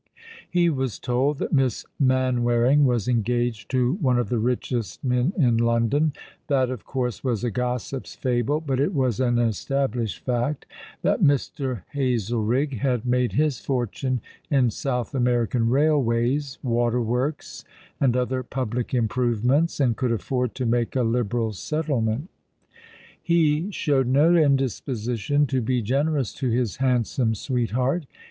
He was told that Miss Manwaring was engaged to one of the richest men in London. That, of course, was a gossip's fable, but it was an established fact that Mr. Hazelrigg had made his fortune in South American railways, water works, and other public improvements, and could afford to make a liberal settlement. ^^ But the Days drop One by One^ 21 lie showed no indisposition to be generous to his hand some sweetheart.